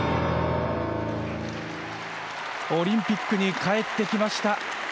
オリンピックに帰ってきました。